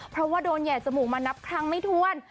เพราะว่าโดนแห่จมูกมานับครั้งไม่ถ้วน